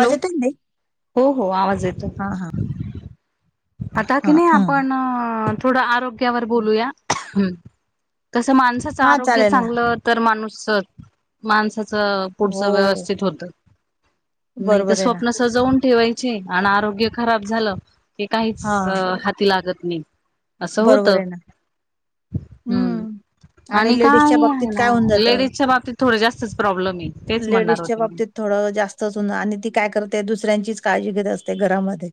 आवाज येतोय ना ताई? हो हो आवाज येतो. हा हा आता हा कि नाही हं. आपण- थोडं आरोग्यावर बोलूया. कसं माणसाचं हा आरोग्य चालेल ना. चांगलं- तर माणूस, माणसाचं हो, पुढचं व्यवस्थित होतं. नाही तर बरोबर आहे ना. स्वप्न सजवून ठेवायचे आणि आरोग्य खराब झालं- की काहीच हां, हाती लागत नाही, असं होत. बरोबर आहे ना. हम्म हं आणि काय लेडीजच्या बाबतीत आहे ना काय होऊन जातं, लेडीजच्या बाबतीत- थोडे जास्तच प्रॉब्लेम आहे. तेच म्हणणार होत- त्या बाबतीत थोडं जास्तच होउन आणि ती काय करते दुसऱ्यांचीच काळजी घेत असते घरामध्ये.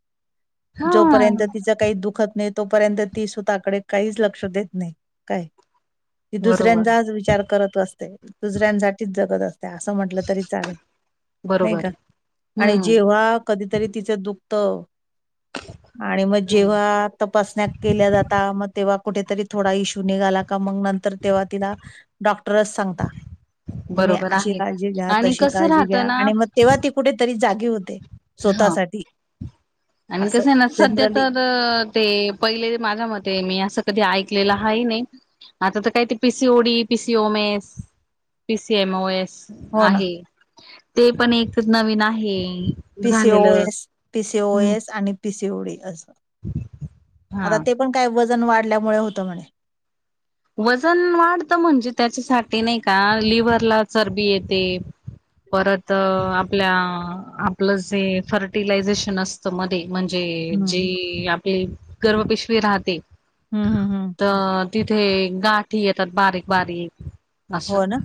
हा जोपर्यंत तिच काही दुखत नाही तोपर्यंत- ती स्वतःकडे काहीच लक्ष देत नाही, काय, ती बरोबर दुसऱ्यांचाच विचार- करत असते. दुसऱ्यांसाठीच जगत असते. त्या असं म्हंटलं तरी चालेल, नाही बरोबर का? आणि हम्म जेव्हा- कधीतरी तिचं दुखत आणि मग हम्म जेव्हा तपासण्या- केल्या जाता मग तेव्हा कुठेतरी थोडा इश्यू निघाला का मग नं- तर तेव्हा तिला डॉक्टरच सांगता. तुम्ही बरोबर अशी आहे काळजी घ्या, आणि तशी कसं काळजी घ्या. राहतं ना आणि मग तेव्हा ती कुठेतरी जागी होते हा स्वतःसाठी आणि असं कसं आहे ना सध्या जनरली तर अ ते पहिले माझ्या मते मी असं कधी ऐकलेलं हाये नाही. आता तर काय ते P C O D, P C O M S, P C M O S हो ना आहे [inaudible] ते पण एक नवीन आहे. पी सी ओ झालेलं एस, पी सी ओ हम्म, एस आणि पी सी ओ डी असं हा आता ते पण काय वजन वाढल्यामुळे होतं म्हणे वजन वाढतं म्हणजे? त्याच्यासाठी नाही का? लिव्हरला चरबी येते. परत आपल्या आपलं जे फर्टिलायझेशन अस मध्ये म्हणजे हम्म जी आपली गर्भपेशवी राहते. हम् हम तर तिथे गाठी येतात बारीक, बारीक असं हो ना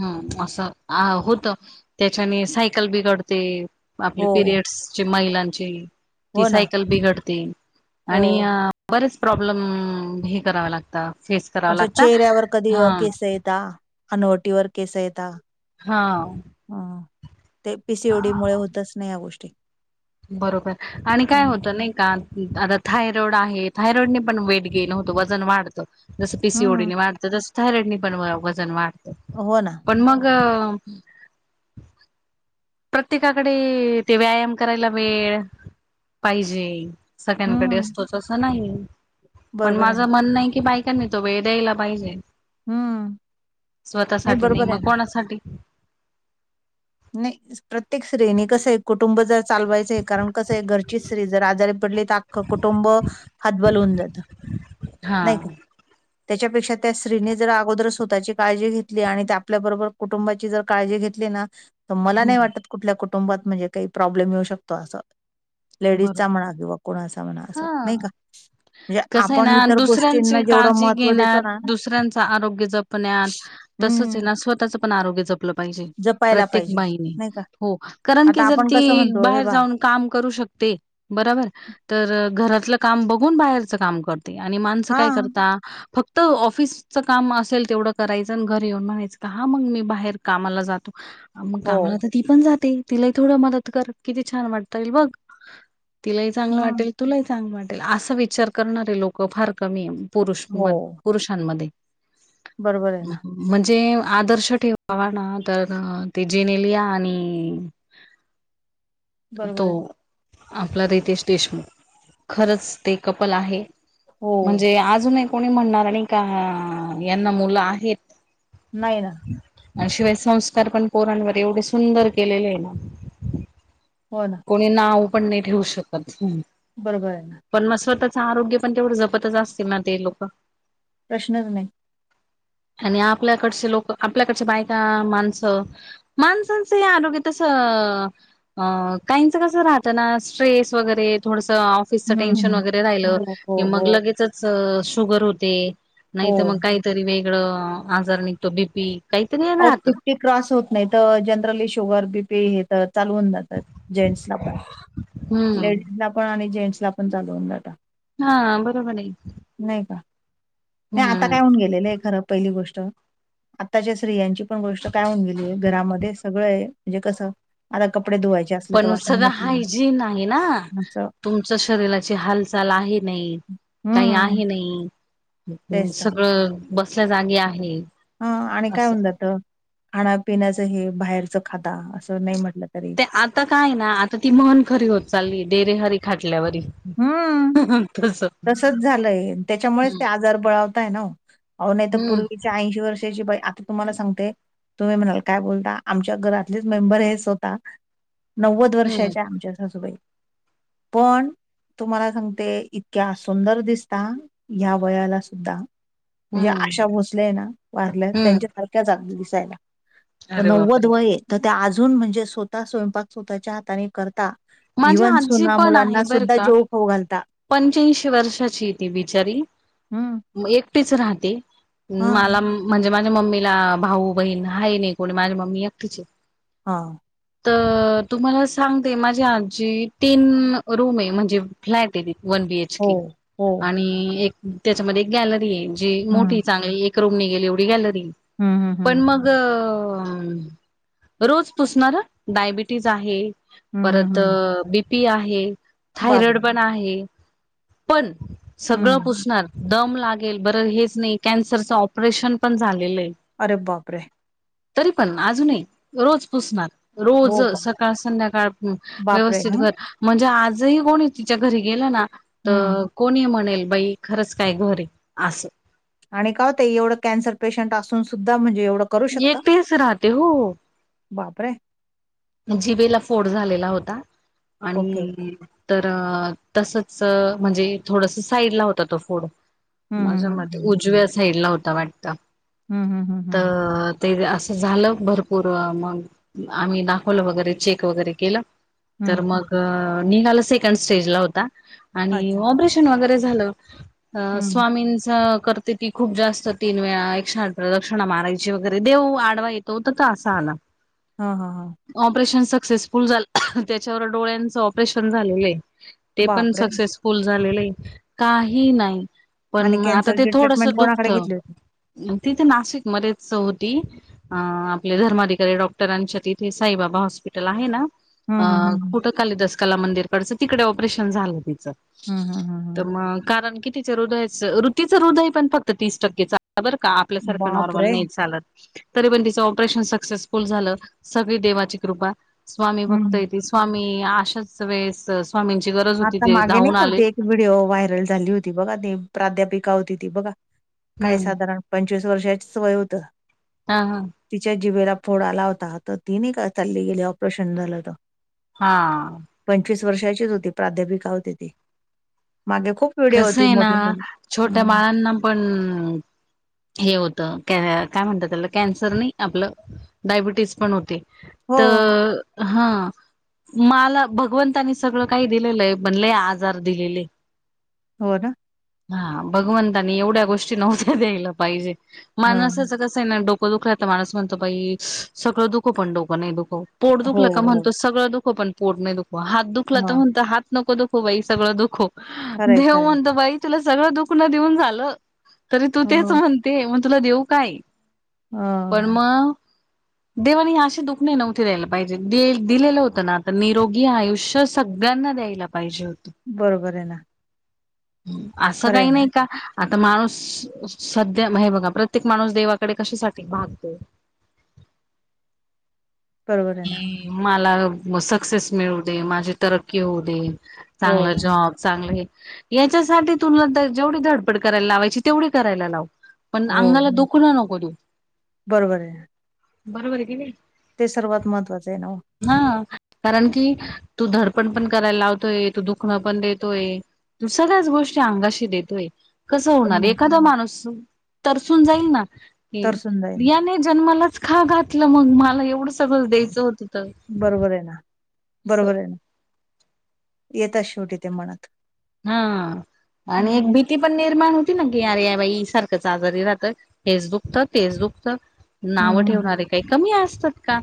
हम असं हा होत त्याच्याने सायकल बिघडते. आपले हो पिरियड्सची महिलांची ती हो ना सायकल बिघडते. हो आणि बरेच प्रॉब्लेम [inaudible] हे करावे लागतात. अछा! चेहऱ्यावर कधी केस येता, हनवटीवर केस येता. हा [inaudible] ह ते पीसीओडी मुळ होतच नाही या गोष्टी बरोबर आणि काय हम्म होतं नाही का? आता थायरॉइड आहे. थायरॉइड ने पण वेट गेन होतो. वजन वाढतं. जसं पी सी ओ डी हम्म, ने वाढतं. तसं थायरॉइड नी पण वजन वाढतं. हो ना पण मग प्रत्येकाकडे ते व्यायाम करायला वेळ पाहिजे? सगळ्यांकडे हम्म असतोच असं नाही? पण बरोबर आहे ना माझं म्हणण आहे की बाईकां त्यांनी तो वेळ द्यायला पाहिजे. हम्म स्वतःसाठी नाही बरोबर आहे मग ना कोणासाठी? नाही प्रत्येक स्त्रीनी कसं आहे. कुटुंब जर चालवायचं आहे. कारण कसं आहे घरची स्त्री जर आजारी पडली? तर आख्ख कुटुंब हात बल होऊन जात. हा त्याच्यापेक्षा त्या स्त्रीने जर अगोदर स्वतःची काळजी घेतली. आणि त्या आपल्याबरोबर कुटुंबाची जर काळजी घेतली ना त मला नाही हम्म वाटत कुठल्या कुटुंबात म्हणजे काही प्रॉब्लेम येऊ शकतो. असं लेडीजचा बरोबर म्हणा आहे. कि व कोणाचा म्हणा असा हा. नाही का? म्हणजे कसं आहे आपण ना इतर गोष्टींना दुसऱ्यांची जेवढं काळजी महत्त्व देतो घेण्यात, ना दुसऱ्यांच आरोग्य जपण्यात तसच आहे हम्म ना स्वतःचं पण आरोग्य जपलं पाहिजे. प्रत जपायला तेक पाहिजे बाई ने नाही का हो कारण की? आता ती जर आपण कसं म्हणतो हे बाहेर बा जाऊन काम करू शकते? बराबर तर घरातलं काम बघून बाहेरच काम कर आणि माणसं हा काय करता? फक्त तर ऑफिसच काम असेल तेवढं करायचं. आणि घरी येऊन म्हणायचं का? हा मग मी बाहेर कामाला जातो. मग हो कामाला तर ती पण जाते? तिलाही थोडं मदत कर किती छान वाटता येईल बघ? तिलाही चांगलं वाटत. हम्म तुला चांगल वाटेल. असा विचार करणारे लोक फार कमी पुरुष हो पुरुषांमध्ये बरोबर आहे हम् ना हम [inaudible] म्हणजे आदर्श ठेवावा ना तर ते जेनेलिया आणि बरोबर तो आहे ना आपला रितेश देशमुख खरंच ते कपल आहे हो म्हणजे अजून एक कोणी म्हणणार आणि का यांना मुलं आहेत नाही ना आणि शिवाय संस्कार पण पोरांवर एवढे सुंदर केलेले आहे ना हो ना कोणी नाव पण नाही ठेवू शकत. बरोबर आहे ना पण मग स्वतःचं आरोग्य पण तेवढं जपतच असतील ना ते लोकं प्रश्नच नाही आणि आपल्याकडचे लोक आपल्याकडच्या बायका, माणसं माणसांचं हे आरोग्य तसं अ काहींच कस राहतं ना स्ट्रेस वगैरे थोडंसं ऑफिसचं टेन्शन हम्म वगैरे राहिलं हो कि हो हो मग लगेचंच शुगर होते हो नाहीतर मग काहीतरी वेगळं आजार निघतो बी पी आओ फिफ्टी क्रॉस होत नाही तवर जनरली शुगर बी पी हे तर चालू होऊन जातं. जेंट्सला पण हम्म लेडीज ला पण आणि जेंट्स ला पण चालू होऊन जाता. हा बरोबर आहे कि नाही का नाही आता काय होऊन गेलेलं आहे खरं पहिली गोष्ट आता जे स्त्रियांची पण गोष्ट काय होऊन गेली आहे. घरामध्ये सगळं म्हणजे कसं आता कपडे धुवायच्या पण सगळं हायजीन आहे ना. असं तुमच्या शरीराची हालचाल आहे नाही, काय हम्म आहे नाही तेच तर सगळं बसल्या जागी आहे. हा आणि काय असं होऊन जातं खाण्यापिण्याचं हे बाहेरचं खाता असं नाही म्हटलं तरी. ते आता काय हाय ना आता ती म्हन खरी होत चालली देरे हरी खाटल्यावरी हम्म तसं तसच झालंय त्याच्यामुळेच ते आजार बळावताय ना आओ नाही तर हम्म पूर्वीच्या ऐंशी वर्षाची बाई आता तुम्हाला सांगते. तुम्ही म्हणाल काय बोलता आमच्या घरातलेच मेंबर आहे स्वतः नव्वद हम्म वर्षाच्या आमच्या सासूबाई पण तुम्हाला सांगते इत तक्या सुंदर दिसता या वयाला सुद्धा म्हणजे हम्म आशा भोसले हाय ना वारल्या हम्म त्यांच्यासारख्याचं अगदी दिसायला अरे नव्वद बापरे वय हे तर त्या अजून म्हणजे स्वतः स्वयंपाक स्वतःच्या हाताने करता. माझी इव्हन आजी सुना पण मुलांना आहे बर सुद्धा का जेवू खाऊ घालता पंच्याऐंशी वर्षाची आहे ती बिचारी. हम म एकटीच राहते मला म्हणजे माझ्या मम्मीला भाऊ, बहीण आहे नाही कोणी माझी मम्मी एकटीच हे हां तर तुम्हाला सांगते माझी आजी तीन रूम आहे. म्हणजे फ्लॅट आहे वन बी एच हो के हो आणि एक त्याच्यामध्ये एक गॅलरी आहे जी हम्म मोठी चांगली एक रूम निघेल एवढी गॅलरी हे हम्म हम्म पण हम्म मग ग रोज पुसणार हं डायबिटीज आहे हम्म हम्म परत हम्म बीपी आहे. थायरॉइड बापरे पण आहे. पण सगळं हम्म पुसणार. दम लागेल, बरं हेच नाही कॅन्सरचं ऑपरेशन पण झालेलं आहे. अरे बापरे. तरी पण अजूनही रोज पुसणार. रोज हो का सकाळ संध्याकाळ बापरे व्यवस्थित हा घर. म्हणजे आजही कोणी तिच्या घरी गेलं ना हम्म तर. कोणी म्हणेल बाई खरंच काय घरी असं. आणि का हो ते एवढं कॅन्सर पेशंट असून सुद्धा म्हणजे एवढं. करू शकता एक पेस राहते हो. बापरे! जिवेला फोड झालेला होता ओके आणि. तर तसच म्हणजे थोडस साईड ला होता तो फोड. हं, माझा हं, हं, मते उजव्या साइड ला होता वाटत. हम हं हं हं. ते असं झालं भरपूर मग आम्ही दा. खलं वगैरे चेक वगैरे केलं तर हं. मग निघालं सेकंड स्टेजला होता. आणि अच्छा. ऑपरेशन वगैरे झालं हं. स्वामींच कर. ति ती खूप जास्त तीन वेळा एक दक्षिणा मारायची वगैरे देव आडवा येतो होत तर असा आला. हा हा हा. ऑपरेशन सक्सेसफुल झा त्याच्यावर डोळ्यांच ऑपरेशन झालेलं. ते पण बापरे! सक्सेसफुल झालेले आहे काही नाही. पण आणि आता ते कॅन्सरची थोडस ट्रीटमेंट दुखत. कोणाकडे घेतली होती? तिथे नाशिक मध्येच होती अ आपले धर्माधिकारी डॉक्टरांच्या तिथे. साईबाबा हॉस्पिटल आहे हं, हं, हं, हं. कु. कालीदास कला मंदिरकडचं तिकडे ऑपरेशन झालं तिचं. हम हम हम. तर मग कारण कि तिच्या हृदयाच ऋतूच हृदय पण फक्त तीस टक्केचा. र का आपल्यासारखं नॉर्मल बापरे! नाही चालत तरी पण तिचं ऑपरेशन सक्सेसफुल झालं. देवाची कृपा स्वामी भक्त हं. य स्वामी आशाच वेस. स्वामींची गरज होती आता ते मागे नाही धावून का आले. होती एक व्हिडिओ व्हायरल झाली होती बघा त प्राध्यापिका होती ती बघा काय हम्म. साधारण. पंचवीस वर्षाचीच वय होत. हा हा. तिच्या जिवेेला फोड आला होता तर तिने चालली गेली ऑपरेशन झालं तर. हा. पंचवीस वर्षाचीच होती प्राध्यापिका होती ती मागे खूप. व्हिडिओ कस होती आहे ना मोठी छोट्या हं. बाळांना पण. हे होत काय म्हणत त्याला कॅन्सर नाही आपलं डायबिटीज पण होते. हो, तर हा. मला भगवंतानी सगळं काही दिलेलं आहे म्हणले आजार दिलेले. हो ना. हा भगवतानी एवढ्या गोष्टी नव्हत्या द्यायला पाहिजे हां. माणसच क. नाही डोकं दुखलंता माणस म्हणतं बाई सगळं दुखव पण डोक नाही दुखव. पोट हो, दुखलं का हो. म्हणतो सगळं दुखो पण पोट नाही दुखो हात दुखलं तर हां, म्हणत हात. नको नको दुखो बाई सगळं दुखो खरंय, देऊं खरंय. म्हणतं बाई तुलां सगळं दुखणं देऊंन झालं तरी तूं हो, तेचं म्हणते मंग तुलां देऊं कायं पणं हां, मंग देवांनी असे दुःख नाहीं नव्हती द्यायलां पाहिजे दिलेलं होतं नां आंता निरोगी आयुंष्य सगळ्यांना द्यायलांज पाहिजे होते बरोंबर आहे नां असं कांहीं नाहीं कां आंता माणूंस संध्या हे बघां प्रत्येक माणूंस देवांकडे कशांसाठी पाहतो बरोबर आहे नां मलां सक्सेस मिळूं दे माझी तरक्की होऊं दे हो, चांगलं जॉब चांगले हे यांच्यासाठी तुलां जेवढी धडपड करांयला लावांयची तेवढी करांयला लांव पणं हो, अंगाला दुःख दुखणं नको देऊ बरोबर आहे बरोबर आहे की नाहीं ते सर्वात महत्वाचं आहे नां हां कारणं की तूं धडपड पणं करांयला लावतोय तूं दुखणं पणं देतोय सगळ्यांचं गोष्टी अंगांनी देतोय कसं होणारं हं, एखादां माणूंस तरसूंन जाईल नां तरसून जाईल. यांने जन्मांलाचं हां घातलं मंग मलां एवढं सगळं द्यायचं होतं तर बरोबर आहे नां बरोबर आहे नां येतांत शेवटी ते म्हणतं हां आणि एक भीती पणं निर्माण होती ने अरे यां बाई सारखंच आजांरी राहतं हेचं दुखंत तेचं दुखंत हं, नावं हं. हं. ठेवणारे कांहीं कमी असतांत कां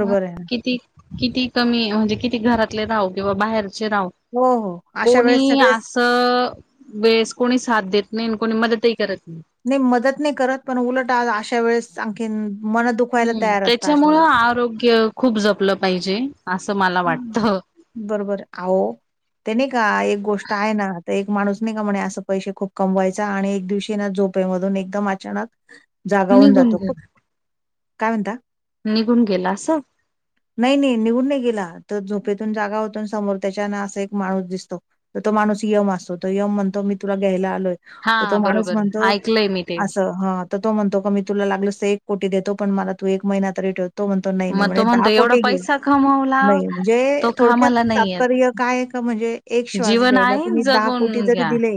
मं आहे ना. किती किती कमी म्हणजे किती घरांतले राहो किंवा बाहेरचे राहो हो हो अशा वेळेस कोणी सगळेच असं वेळेसं कोणी साथं देतं नाहीं कोणी मदतंही करतं नाहीं नाहीं मंदत नाहीं करतं पणं उलटं अशा वेळेस आणखी मनं दुःख हम्मं त्यांच्यामुळे आरोग्य खूंप जपलं पाहिजे असं मलां वाटतं. बरोबर आंहो. ते नाहीं कां एक गोष्ट आहे नां तरं एक माणूंस नाहीं कां म्हणे असं पैसे खूंप कमवांयचा आणि एक दिवशी नां जोप झ़ोपे मधूंन एकदंम अचांनक निघूंन काय म्हणता? गेलां निघूंन गेलां असं नाहीं नाहीं निघूंन नाहीं गेलां तरं झोपेतूंन जागां होतो समोर त्यांच्यान असां एक माणूंस दिसतो. तरं तो माणूंस यंम असतो तो यंम म्हणतो मी तुलां घ्यांयला आलोय तरं हा तो माणूंस बरोबर म्हणतो ऐकलंय मी ते असं. हां तरं तो म्हणतो कां मी तुलां लागलंस तरं एक कोटी देतो पणं मलां तूं एक महिना तरी ठेवतो म्हणतो. नाहीं नाहीं म्हणे दहा कोटी घे कमांवला नाहीं म्हणजे थोडक्यांत तात्पर्य कायं कां म्हणजे एक श्वास जीवन घ्यांयला आहे तुम्हीं दाग दहा कोटी जगून जरी घ्या दिले.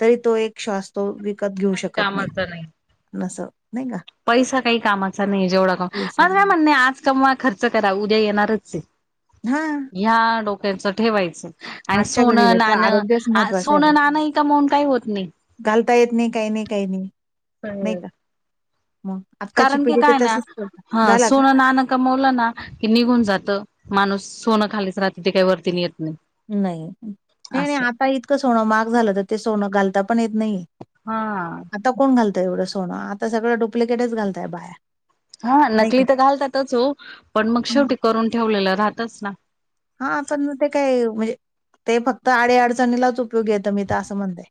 तरी तो एक श्वासतो विकतं घेऊं काही शकतं कामाचा नाही नाहीं असं नाहीं कां. पैसा कांहीं कामांचा नाहीं जेवढां कां माझं कांय दिवसांना म्हणणे आंज कमवां खर्च करां उद्यां येणारं चं आहे. हां. ह्यां डोक्याचं ठेवायचं. आणि आजच्या सोनं घडीला तर आरोग्यच नाणं महत्वाचं आहे अहो. सोनं नाणं इथं कां मूंन कांहीं होतं नाहीं. घालता येत नाही काही नाही काही नाही नाही का मग आत्ताची कारण की पिढी काय तर ना तसंच करतात. ह झाला का? सोनं नानक कमवलं ना की निघून जात माणूस सोनं खालीच राहत ते काही वरती नेत नाही. नाही नाही नाही असं आता इतकं सोनं माग झालं तर ते सोनं घालता पण येत नाही. हा. आता कोण घालतय एवढं सोनं आता सगळं डूप्लिकेटच घलताय बाया. हा नाही का? नकली तर घालतातच हो पण मग हां. शेवटी करून ठेवलेलं राहतच ना. हा पण मग ते काय म्हणजे ते फक्त आडी अडचणीलाच उपयोगी येत मी तर असं म्हणते.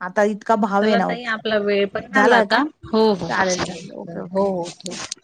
आता इतका भाव आहे चला ना ओ. ताई आपला वेळ पण झाला आता हो हो चालेल, चालेल. Okay, okay. हो. [unintelligible]